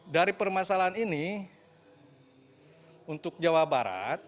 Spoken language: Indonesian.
dari permasalahan ini untuk jawa barat